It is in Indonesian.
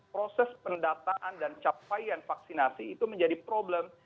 proses pendataan dan capaian vaksinasi itu menjadi problem